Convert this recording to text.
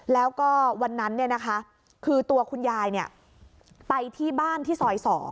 แล้วก็วันนั้นคือตัวคุณยายไปที่บ้านที่ซอย๒